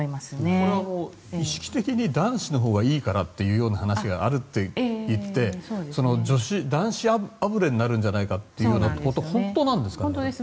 これは意識的に男子のほうがいいからという話があるっていって、男子あぶれになるんじゃないかということは本当なんですか？